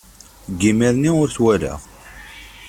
Seg yimir-nni ur t-walaɣ.